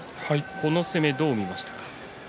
この攻めどう見ましたか。